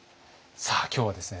さあ今日はですね